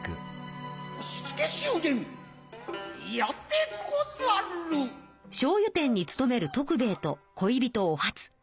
しょうゆ店につとめる徳兵衛と恋人お初。